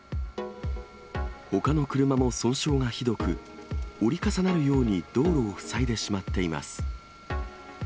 ほかの車も損傷がひどく、折り重なるように道路を塞いでしまっています。